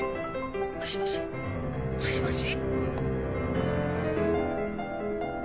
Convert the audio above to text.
もしもし？もしもし？